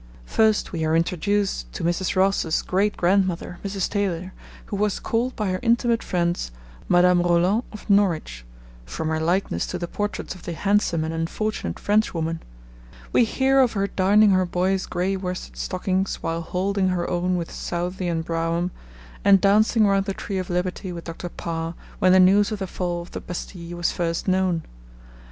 First we are introduced to Mrs. Ross's great grandmother, Mrs. Taylor, who 'was called, by her intimate friends, "Madame Roland of Norwich," from her likeness to the portraits of the handsome and unfortunate Frenchwoman.' We hear of her darning her boy's grey worsted stockings while holding her own with Southey and Brougham, and dancing round the Tree of Liberty with Dr. Parr when the news of the fall of the Bastille was first known.